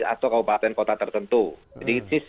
atau kabupaten kota tertentu jadi itu sih